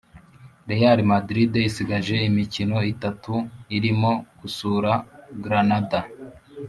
real madrid isigaje imikino itatu irimo gusura granada